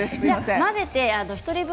混ぜて１人分。